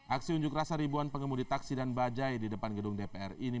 aksi unjuk rasa ribuan pengemudi taksi dan bajai di depan gedung dpr ini